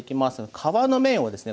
皮の面をですね